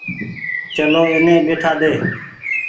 چلو ايني ٻيٺآ ۮي۔